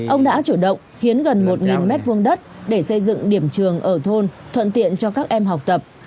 ông đã chủ động hiến gần một m hai đất để xây dựng điểm trường ở thôn thuận tiện cho các em học tập